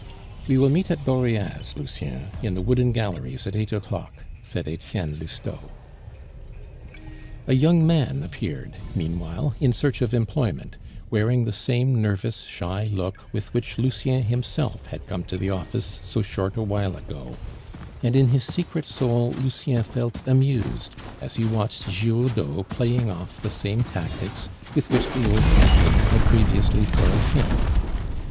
"We will meet at Dauriat's, Lucien, in the Wooden Galleries at eight o'clock," said Etienne Lousteau. A young man appeared, meanwhile, in search of employment, wearing the same nervous shy look with which Lucien himself had come to the office so short a while ago; and in his secret soul Lucien felt amused as he watched Giroudeau playing off the same tactics with which the old campaigner had previously foiled him.